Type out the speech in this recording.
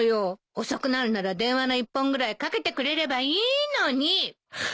遅くなるなら電話の１本ぐらいかけてくれればいいのに。